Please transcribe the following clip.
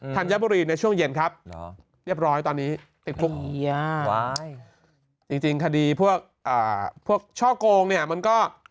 ธัญบุรีในช่วงเย็นครับเรียบร้อยตอนนี้ติดคุกจริงคดีพวกช่อโกงเนี่ยมันก็